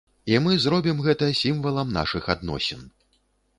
І мы зробім гэта сімвалам нашых адносін.